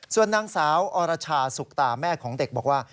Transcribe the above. ส่วนนางสาวอรชาสุกตาแม่ของเด็กบอกว่า